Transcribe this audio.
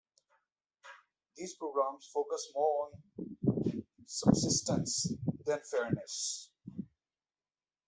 These programs focus more on subsistence than fairness.